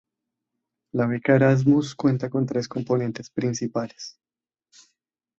La beca Erasmus cuenta con tres componentes principales.